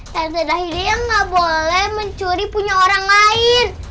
tante dahlia gak boleh mencuri punya orang lain